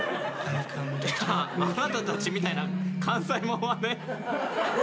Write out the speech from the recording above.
いやあなたたちみたいな関西もんはね